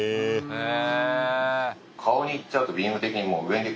へえ。